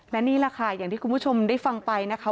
และนี่แหละค่ะอย่างที่คุณผู้ชมได้ฟังไปนะคะ